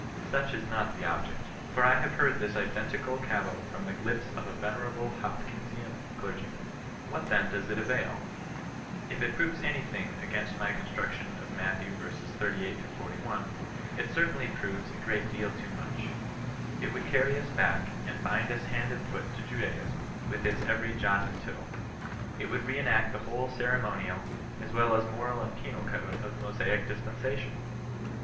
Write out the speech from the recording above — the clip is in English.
Such is not the object ; for I have heard this identical cavil from the lips of a venerable Hopkinsian clergyman. What then does it avail ? If it proves any thing against my construction of Matt. v. 38 — 41, it certainly proves a great deal too much. It would carry us back, and bind us hand and foot to Juda ism, with its every ^^jot and tittle^ It would re enact the whole ceremonial, as well as moral and penal code of the Mosaic dispensation